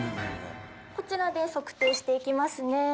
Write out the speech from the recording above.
こちらで測定していきますね。